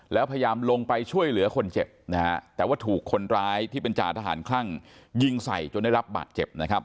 แล้วพยายามลงไปช่วยเหลือคนเจ็บนะฮะแต่ว่าถูกคนร้ายที่เป็นจ่าทหารคลั่งยิงใส่จนได้รับบาดเจ็บนะครับ